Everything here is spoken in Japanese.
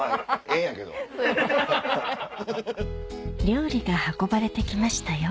料理が運ばれて来ましたよ